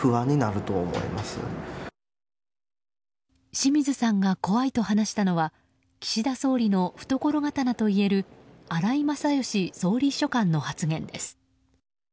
清水さんが怖いと話したのは岸田総理の懐刀といえる荒井勝喜総理秘書官の発言です。